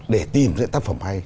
để tìm ra tác phẩm hay